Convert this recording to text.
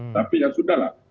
tapi ya sudah lah